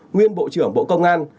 nguyên bộ trưởng bộ công an